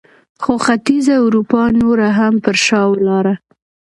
خو ختیځه اروپا نوره هم پر شا ولاړه.